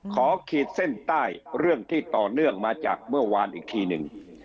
ขีดเส้นใต้เรื่องที่ต่อเนื่องมาจากเมื่อวานอีกทีหนึ่ง